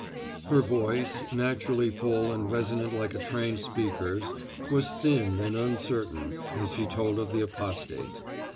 Her voice, naturally full and resonant like a trained speaker's, was thin and uncertain as she told of the apostate.